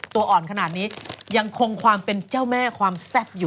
ถ้ากินหล่อนหน้าตกเลยอ่ะ